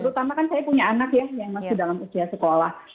terutama kan saya punya anak ya yang masih dalam usia sekolah